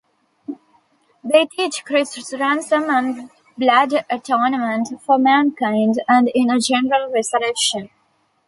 They teach Christ's ransom and blood atonement for mankind, and in a general resurrection.